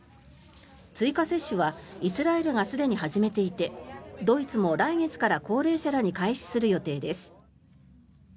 追加接種はイスラエルがすでに始めていてドイツも来月から高齢者らに開始する予定です。